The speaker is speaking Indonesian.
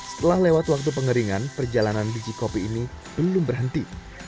setelah lewat waktu pengeringan perjalanan biji kopi ini belum berhenti